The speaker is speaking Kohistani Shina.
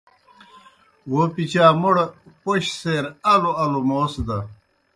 وو پِچا موْڑ پوْش سیر الوْ الوْ موس دہ۔